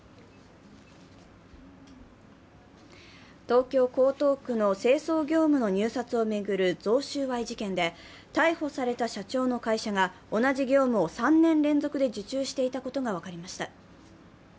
東京・江東区の清掃業務の入札を巡る贈収賄事件で逮捕された社長の会社が同じ業務を３年連続で受注していたことが分かりました。